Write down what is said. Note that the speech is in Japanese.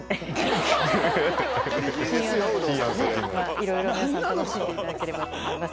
いろいろ皆さん楽しんでいただければと思います。